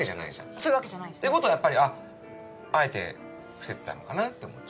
そういうわけじゃないですね。ってことはやっぱりあえて伏せてたのかなって思っちゃう。